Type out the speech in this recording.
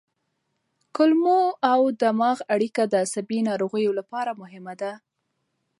کولمو او دماغ اړیکه د عصبي ناروغیو لپاره مهمه ده.